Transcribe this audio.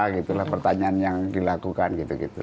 gitu lah pertanyaan yang dilakukan gitu gitu